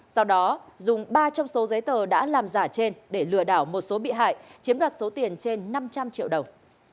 sau đó dùng ba trong số giấy tờ đã làm giả trên để lừa đảo một số bị hại chiếm đoạt số tiền trên năm trăm linh triệu đồng